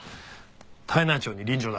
泰内町に臨場だ。